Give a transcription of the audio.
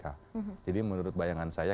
jadi menurut bayangan saya